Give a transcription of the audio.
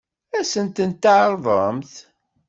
Ad sent-ten-tɛeṛḍemt?